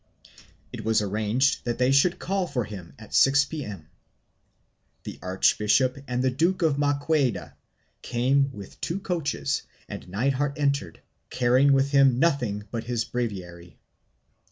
It was arranged that they should call for him at 6 P.M. The archbishop and the Duke of Maqueda came with two coaches and Nithard entered, carrying with him nothing but his breviary.